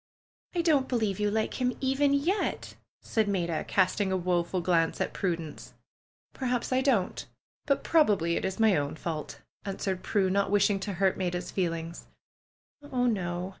186 PRUE'S GARDENER "I don't believe yon like him even yet !" said Maida, casting a woeful glance at Prudence. "Perhaps I don't. But probably it is my own fault," answered Prue, not wishing to hurt Maida's feelings. "Oh, no!